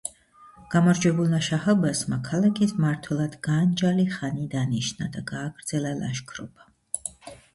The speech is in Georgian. გამარჯვებულმა შაჰ-აბასმა ქალაქის მმართველად განჯ ალი ხანი დანიშნა და გააგრძელა ლაშქრობა.